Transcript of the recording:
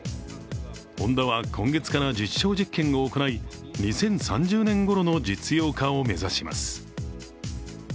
ホンダは今月から実証実験を行い、２０３０年ごろの実用化を目指します。